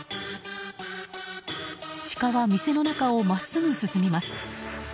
シカは、店の中を真っすぐ進みます。